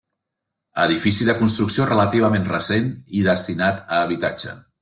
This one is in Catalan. Edifici de construcció relativament recent i destinat a habitatge.